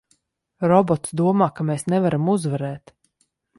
Robots domā, ka mēs nevaram uzvarēt!